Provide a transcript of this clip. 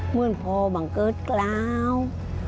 เหมือนพ่อบังเกิดกล้าว